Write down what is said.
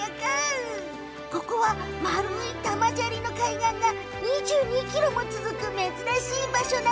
ここは丸い玉砂利の海岸が２２ｋｍも続く珍しい場所。